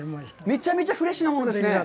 めちゃめちゃフレッシュなものですね。